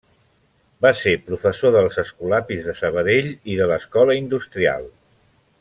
Va ser professor dels Escolapis de Sabadell i de l'Escola Industrial.